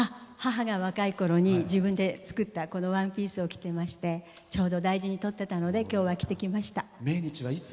母が若いころ作ったこのワンピースを着てましてちょうど大事にとっていたのできょうは着てきました。